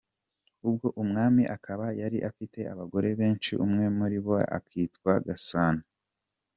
Uwo mwami akaba yari afite abagore benshi, umwe muri bo akitwa Gasani.